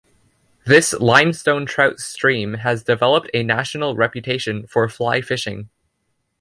This limestone trout stream has developed a national reputation for fly fishing.